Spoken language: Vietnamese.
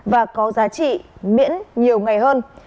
và có giá trị miễn nhiều ngày hơn